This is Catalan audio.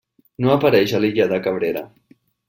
No apareix a l'illa de Cabrera.